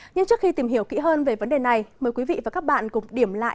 nhưng trước khi tìm hiểu kỹ hơn về vấn đề này mời quý vị và các bạn cùng điểm lại